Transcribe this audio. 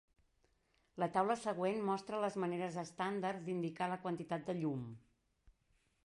La taula següent mostra les maneres estàndard d'indicar la quantitat de llum.